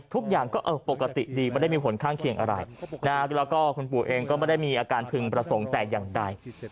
ทุกอย่างก็ปกติดีไม่ได้มีผลข้างเคียงอะไรแล้วก็คุณปู่เองก็ไม่ได้มีอาการพึงประสงค์แต่อย่างใด